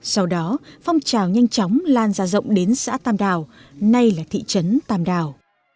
sau đó phong trào nhanh chóng lan ra rộng đến xã tàm đào nay là thị trấn tàm đào